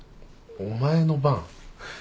お前の番？